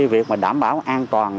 việc đảm bảo an toàn